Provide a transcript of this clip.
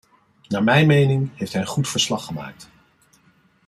Naar mijn mening heeft hij een goed verslag gemaakt.